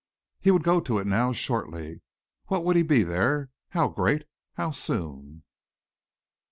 He would go to it now, shortly. What would he be there? How great? How soon?